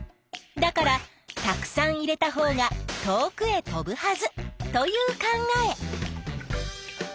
だからたくさん入れたほうが遠くへ飛ぶはずという考え。